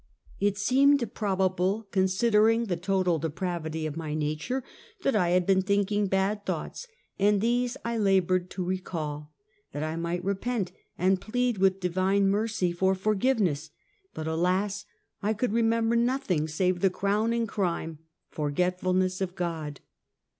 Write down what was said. It seemed probable, considering the total depravity of my nature, that I had been thinking bad thoughts, and these I labored to recall, that I might repent and plead with Divine mercy for forgiveness. But alas! I could remember nothing save the crowning crime — forgetfulness of God.